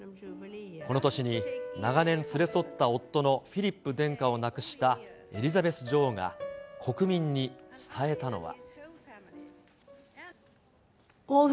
この年に、長年連れ添った夫のフィリップ殿下を亡くしたエリザベス女王が国民に伝えたのは。